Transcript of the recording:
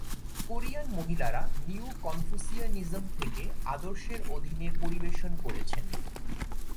Korean মহিলারা neo Confucianism থেকে আদর্শের অধীনে পরিবেশন করেছেন।